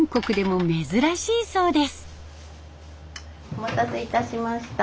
お待たせいたしました。